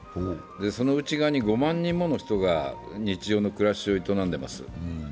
その内側に５万人もの人が日常の生活を営んでいます。